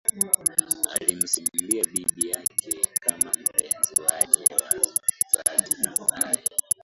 Alimsimulia bibi yake kama mpenzi wake wa dhati ambaye